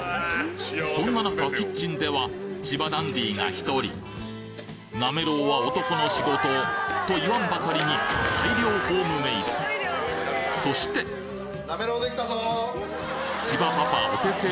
そんな中キッチンでは千葉ダンディが１人なめろうは男の仕事と言わんばかりにそして千葉パパお手製